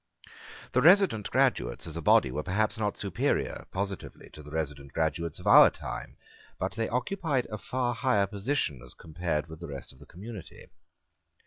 The resident graduates, as a body, were perhaps not superior positively to the resident graduates of our time: but they occupied a far higher position as compared with the rest of the community.